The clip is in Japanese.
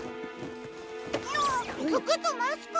あっふくとマスク？